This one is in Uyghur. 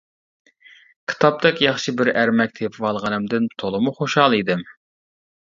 كىتابتەك ياخشى بىر ئەرمەك تېپىۋالغىنىمدىن تولىمۇ خۇشال ئىدىم.